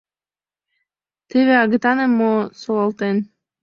ТЕВЕ АГЫТАНЫМ МО СОЛАЛТЕН!